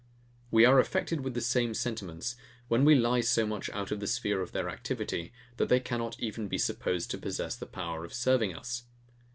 We are affected with the same sentiments, when we lie so much out of the sphere of their activity, that they cannot even be supposed to possess the power of serving us.